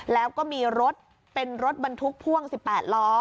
แล้วก็มีรถเป็นรถบรรทุกพ่วง๑๘ล้อ